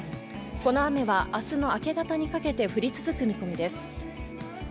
この雨は明日の明け方にかけて降り続く見込みです。